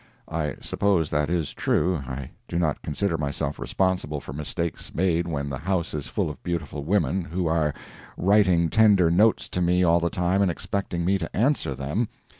[I suppose that is true; I do not consider myself responsible for mistakes made when the House is full of beautiful women, who are: writing tender notes to me all the time and expecting me to answer them.